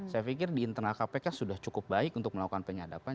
saya pikir di internal kpk sudah cukup baik untuk melakukan penyadapan